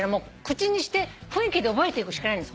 口にして雰囲気で覚えていくしかないのよ。